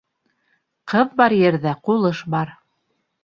Ҡыҙ бар ерҙә ҡулыш бар.